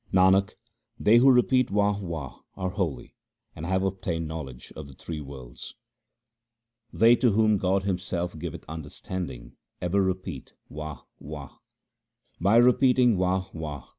Nanak, they who repeat Wah ! Wah ! are holy, and have obtained knowledge of the three worlds. They to whom God Himself giveth understanding ever repeat Wah ! Wah ! By repeating Wah ! Wah !